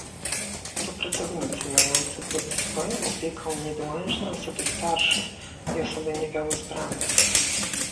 To pracownicy mający pod swoją opieką niedołężne osoby starsze i osoby niepełnosprawne